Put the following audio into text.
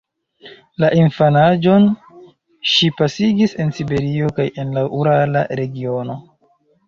La infanaĝon ŝi pasigis en Siberio kaj en la urala regiono.